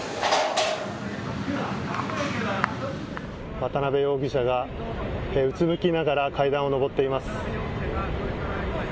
渡邉容疑者がうつむきながら階段を上っています。